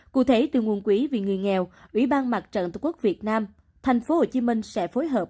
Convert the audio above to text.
cụ thể từ nguồn quý vì người nghèo ủy ban mặt trận tổ quốc việt nam thành phố hồ chí minh sẽ phối hợp